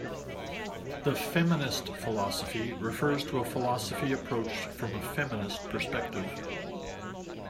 The Feminist philosophy refers to a philosophy approached from a feminist perspective.